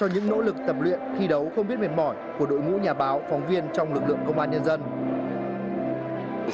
những nỗ lực tập luyện thi đấu không biết mệt mỏi của đội ngũ nhà báo phóng viên trong lực lượng công an nhân dân